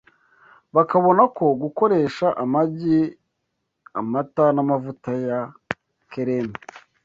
bakabona ko gukoresha amagi, amata, n’amavuta ya kereme